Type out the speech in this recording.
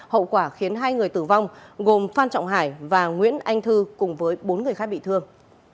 hậu quả khiến hai người tử vong gồm phan trọng hải và nguyễn anh thư cùng với bốn người khác bị thương